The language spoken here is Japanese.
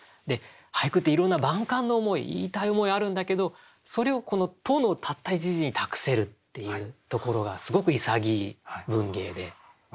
俳句っていろんな万感の思い言いたい思いあるんだけどそれをこの「と」のたった１字に託せるっていうところがすごく潔い文芸で。